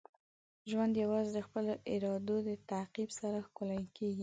ژوند یوازې د خپلو ارادو د تعقیب سره ښکلی کیږي.